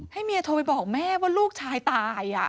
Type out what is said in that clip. เมียโทรไปบอกแม่ว่าลูกชายตาย